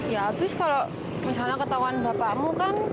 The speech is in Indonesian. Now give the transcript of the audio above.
ya habis kalau misalnya ketahuan bapakmu kan